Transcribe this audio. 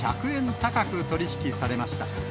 高く取り引きされました。